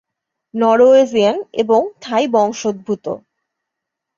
Norwegian এবং Thai বংশোদ্ভূত।